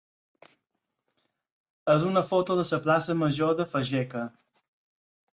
és una foto de la plaça major de Fageca.